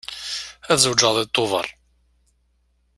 Ad zewǧeɣ deg Tubeṛ.